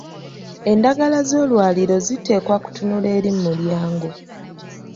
Endagala z'olwaliiro ziteekwa kutunula eri mulyango.